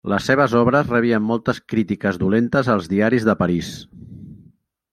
Les seves obres rebien moltes crítiques dolentes als diaris de París.